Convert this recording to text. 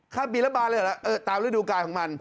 ข้ามปีแล้วบานเลยเหรอตามฤดูกายของมัน